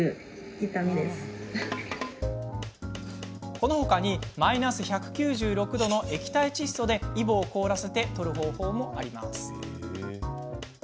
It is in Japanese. このほかにマイナス１９６度の液体窒素でイボを凍らせて取る方法もあります。